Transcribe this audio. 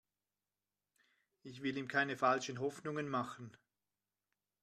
Ich will ihm keine falschen Hoffnungen machen.